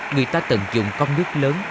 người ta tận dụng con nước lớn